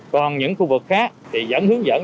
còn những khu vực khác thì vẫn hướng dẫn